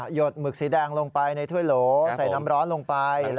หยดหมึกสีแดงลงไปในถ้วยโหลใส่น้ำร้อนลงไปแล้วยังไงครับ